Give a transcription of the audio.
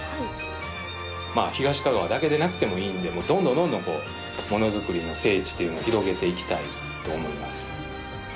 まあ東かがわだけでなくてもいいのでもうどんどんどんどんこうものづくりの聖地というのを広げていきたいと思います。